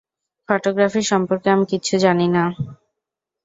Photography সম্পর্কে আমি কিচ্ছু জানি না।